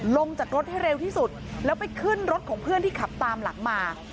ลงจากรถให้เร็วที่สุดแล้วไปขึ้นรถของเพื่อนที่ขับตามหลังมา